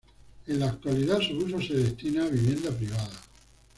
En la actualidad su uso se destina a vivienda privada.